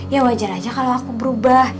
ya wajar aja kalau aku berubah